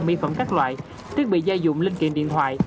mỹ phẩm các loại thiết bị gia dụng linh kiện điện thoại